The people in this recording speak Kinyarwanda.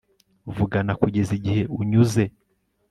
vugana kugeza igihe unyuze